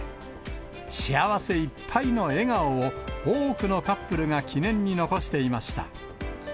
幸せいっぱいの笑顔を多くのカップルが記念に残していました。